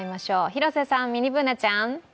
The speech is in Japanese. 広瀬さん、ミニＢｏｏｎａちゃん。